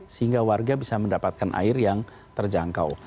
sehingga warga bisa mendapatkan air yang terjangkau